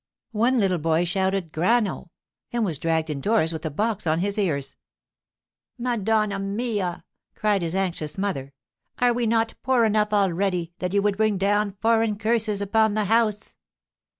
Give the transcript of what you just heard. One little boy shouted 'Grano!' and was dragged indoors with a box on his ears. 'Madonna mia!' cried his anxious mother. 'Are we not poor enough already, that you would bring down foreign curses upon the house?